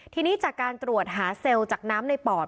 ทีนี้จากการตรวจหาเซลล์จากน้ำในปอด